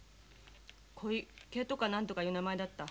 古池とか何とかいう名前だった。